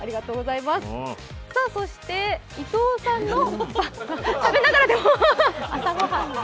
そして伊藤さんの食べながらでも。